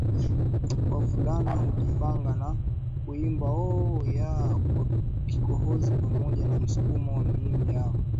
Wavulana hujipanga na kuimba Oooooh yah kwa kikohozi pamoja na msukumo wa miili yao